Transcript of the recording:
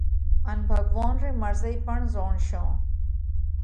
ان ڀڳوونَ رئِي مرضئِي پڻ زوڻشو۔